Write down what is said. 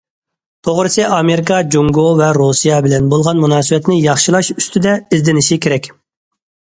توغرىسى ئامېرىكا جۇڭگو ۋە رۇسىيە بىلەن بولغان مۇناسىۋەتنى ياخشىلاش ئۈستىدە ئىزدىنىشى كېرەك.